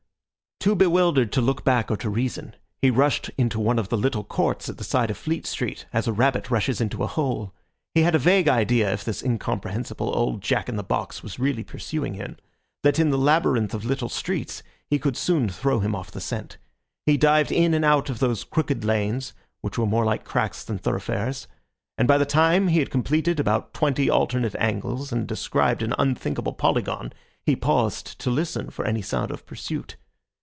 Too bewildered to look back or to reason, he rushed into one of the little courts at the side of Fleet Street as a rabbit rushes into a hole. He had a vague idea, if this incomprehensible old Jack in the box was really pursuing him, that in that labyrinth of little streets he could soon throw him off the scent. He dived in and out of those crooked lanes, which were more like cracks than thoroughfares; and by the time that he had completed about twenty alternate angles and described an unthinkable polygon, he paused to listen for any sound of pursuit.